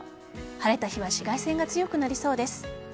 晴れた日は紫外線が強くなりそうです。